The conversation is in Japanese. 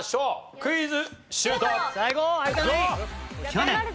はい。